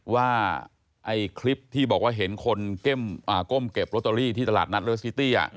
ว่าไอ้คลิปที่บอกว่าเห็นคนก้มเก็บลอตเตอรี่ที่ตลาดนัดเลสซิตี้